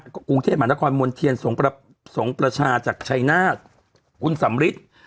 กรุงเทพหมานครมวลเทียนสงประชาจากชายนาฬคุณสำฤิษฐ์